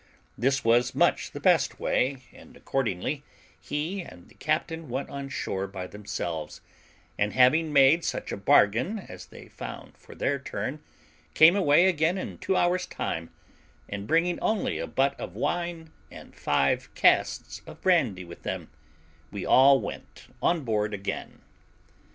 This was much the best way, and accordingly he and the captain went on shore by themselves, and having made such a bargain as they found for their turn, came away again in two hours' time, and bringing only a butt of wine and five casks of brandy with them, we all went on board again.